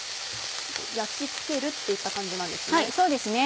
焼きつけるっていった感じなんですね。